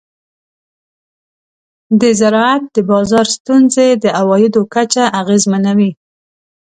د زراعت د بازار ستونزې د عوایدو کچه اغېزمنوي.